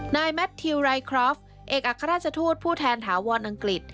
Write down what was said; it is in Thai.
แมททิวไรครอฟเอกอัครราชทูตผู้แทนถาวรอังกฤษ